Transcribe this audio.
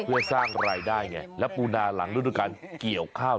เพื่อสร้างรายได้ไงและปูนาหลังฤดูการเกี่ยวข้าว